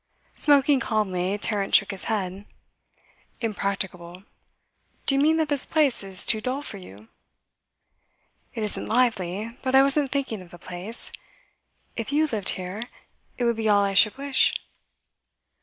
Smoking calmly, Tarrant shook his head. 'Impracticable. Do you mean that this place is too dull for you?' 'It isn't lively, but I wasn't thinking of the place. If you lived here, it would be all I should wish.